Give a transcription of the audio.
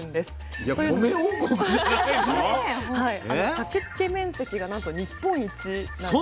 作付面積がなんと日本一なんです。